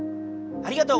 ありがとう。